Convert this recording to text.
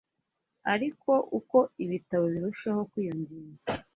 ariko uko ibitabo birushaho kwiyongera